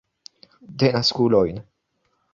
Denaskulojn!